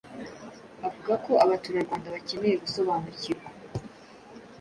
avuga ko Abaturarwanda bakeneye gusobanukirwa